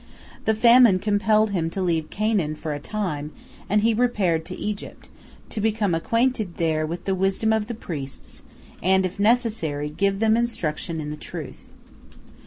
The famine compelled him to leave Canaan for a time, and he repaired to Egypt, to become acquainted there with the wisdom of the priests and, if necessary, give them instruction in the truth.